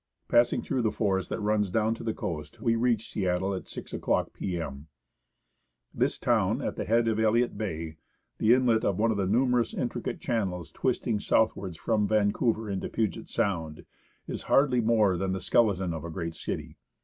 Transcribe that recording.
Passing through the forest that runs down to the coast, we reached Seattle at 6 o'clock p.m. 12 ~ERRY BOAT ON COLUMBIA RIVER. FROM TURIN TO SEATTLE This town, at the head of Elliot Bay, the inlet of one of the numerous intricate channels twisting southwards from Van couver into Puget Sound, is hardly more than the skeleton of a great city.